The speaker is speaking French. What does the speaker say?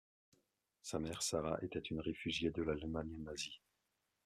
Sa mère, Sarah, était une réfugiée de l'Allemagne nazie.